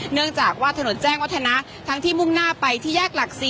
เนื่องจากว่าถนนแจ้งวัฒนะทั้งที่มุ่งหน้าไปที่แยกหลัก๔